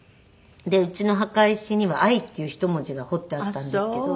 でうちの墓石には「愛」っていう一文字が彫ってあったんですけど。